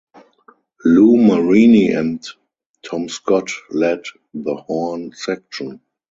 Lou Marini and Tom Scott led the horn section.